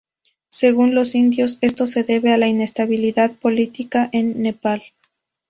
Según los indios, esto se debe a la inestabilidad política en Nepal.